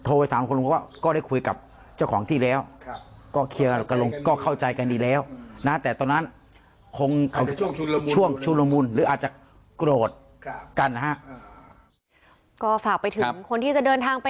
โทรไปถามรุงพลวงว่าก็ได้คุยกับเจ้าของที่แล้วครับ